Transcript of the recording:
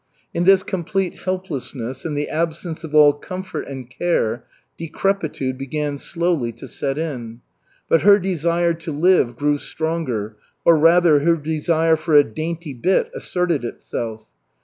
In this complete helplessness and the absence of all comfort and care, decrepitude began slowly to set in. But her desire to live grew stronger, or, rather, her desire for "a dainty bit" asserted itself.